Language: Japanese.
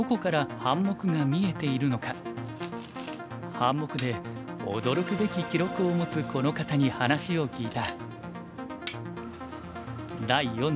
半目で驚くべき記録を持つこの方に話を聞いた。